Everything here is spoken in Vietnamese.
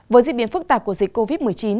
với diễn biến phức tạp của dịch covid một mươi chín